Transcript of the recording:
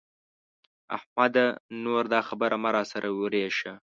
احمده! نور دا خبره مه را سره ورېشه.